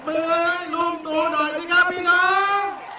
ปรบมือให้ลูกตัวหน่อยนะครับพี่น้อง